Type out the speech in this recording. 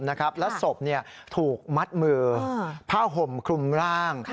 แล้วศพถูกมัดมือผ้าห่มคลุมร่าง